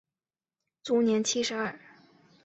卒年七十二。